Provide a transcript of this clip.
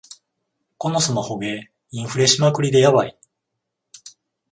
このスマホゲー、インフレしまくりでヤバい